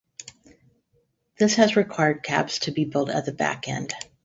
This has required cabs to be built at the back end.